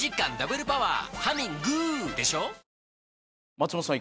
松本さん